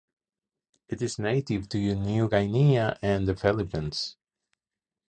It is native to New Guinea and the Philippines.